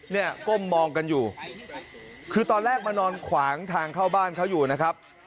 ก้มมองกันอยู่คือตอนแรกมานอนขวางทางเข้าบ้านเขาอยู่นะครับ